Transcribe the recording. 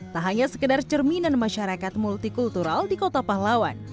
tak hanya sekedar cerminan masyarakat multikultural di kota pahlawan